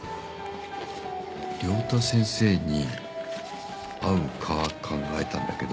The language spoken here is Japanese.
良太先生に合う科考えたんだけど。